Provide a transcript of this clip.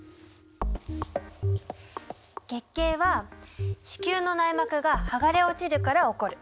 月経は子宮の内膜が剥がれ落ちるから起こる。